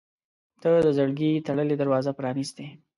• ته د زړګي تړلې دروازه پرانستې.